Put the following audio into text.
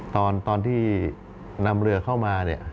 ตอนที่นำเรือเข้ามาเนี่ย